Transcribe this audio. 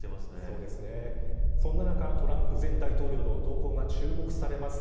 そんな中、トランプ前大統領の動向が注目されます。